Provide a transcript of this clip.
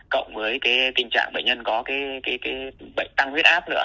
cộng với cái tình trạng bệnh nhân có cái bệnh tăng huyết áp nữa